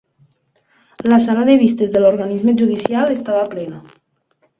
La sala de vistes de l'Organisme Judicial estava plena.